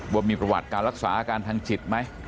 ว่ามีประวัติการรักษาอาการทางจิตไหม